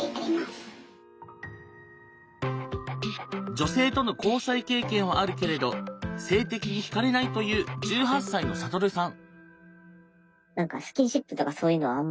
女性との交際経験はあるけれど性的にひかれないという１８歳のサトルさん。